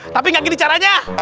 tapi gak gini caranya